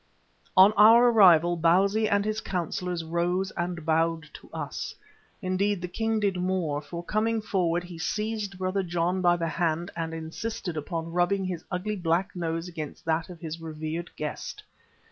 On our arrival Bausi and his councillors rose and bowed to us. Indeed, the king did more, for coming forward he seized Brother John by the hand, and insisted upon rubbing his ugly black nose against that of this revered guest.